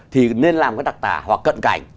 thì nên làm cái đặc tả hoặc cận cảnh